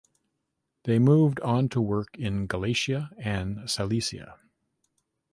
They moved on to work in Galicia and Silesia.